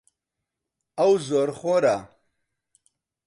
ئەو زۆرخۆرە.